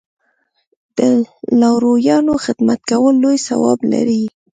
د لارویانو خدمت کول لوی ثواب لري.